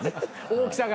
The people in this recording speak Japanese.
大きさが？